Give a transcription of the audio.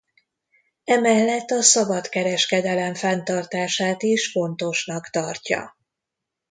Emellett a szabadkereskedelem fenntartását is fontosnak tartja.